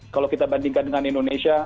kalau kita bandingkan dengan indonesia